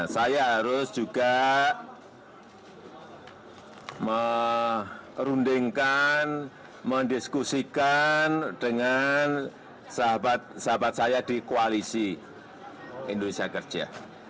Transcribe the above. saya harus juga merundingkan mendiskusikan dengan sahabat sahabat saya di koalisi indonesia kerja